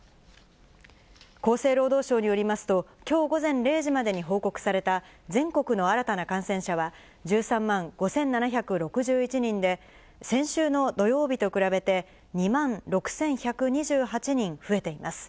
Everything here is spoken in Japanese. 厚生労働省によりますと、きょう午前０時までに報告された全国の新たな感染者は１３万５７６１人で、先週の土曜日と比べて、２万６１２８人増えています。